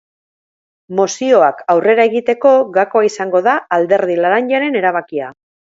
Mozioak aurrera egiteko, gakoa izango da alderdi laranjaren erabakia.